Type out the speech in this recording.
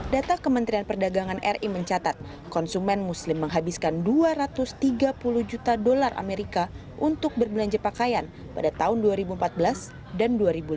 data kementerian perdagangan ri mencatat konsumen muslim menghabiskan dua ratus tiga puluh juta dolar amerika untuk berbelanja pakaian pada tahun dua ribu empat belas dan dua ribu lima belas